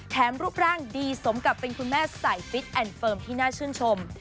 รูปร่างดีสมกับเป็นคุณแม่สายฟิตแอนด์เฟิร์มที่น่าชื่นชม